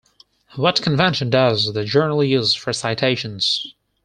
What convention does the journal use for citations?